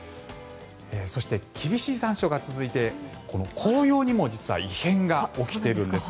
そして、厳しい残暑が続いて紅葉にも実は異変が起きているんです。